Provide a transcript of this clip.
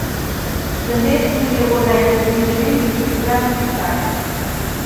També es podria guardar indefinidament i utilitzar-lo més tard.